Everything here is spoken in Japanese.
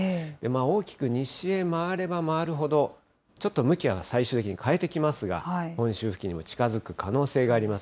大きく西へ回れば回るほど、ちょっと向きは最終的に変えてきますが、本州付近にも近づく可能性があります。